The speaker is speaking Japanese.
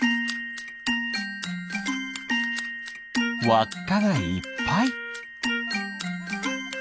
わっかがいっぱい。